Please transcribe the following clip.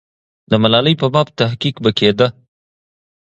د ملالۍ په باب تحقیق به کېده.